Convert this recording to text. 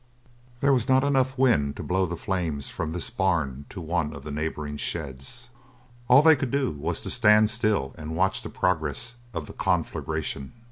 There was not enough wind to blow the flames from this barn to one of the neighbouring sheds; all they could do was to stand still and watch the progress of the conflagration.